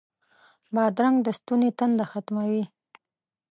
بادرنګ د ستوني تنده ختموي.